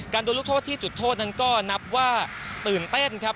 โดนลูกโทษที่จุดโทษนั้นก็นับว่าตื่นเต้นครับ